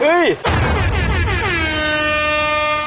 เฮ้ย